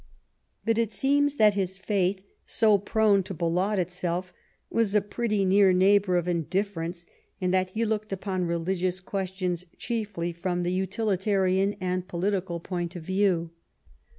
201 Bismarck But it seems that this faith, so prone to belaud itself, was a pretty near neighbour of indifference, and that he looked upon religious questions chiefly from the utilitarian and political point of view.